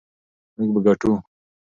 موږ به ګټو.